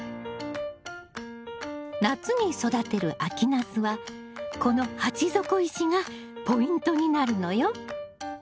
夏に育てる秋ナスはこの鉢底石がポイントになるのよ。